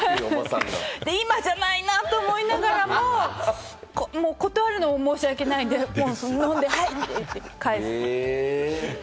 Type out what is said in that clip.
今じゃないなって思いながらも、断るのも申し訳ないんで飲んで「はい」って返す。